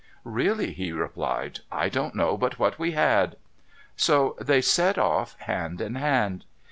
' Really,' he replied, ' I don't know but what we had.' So they set off, hand in hand.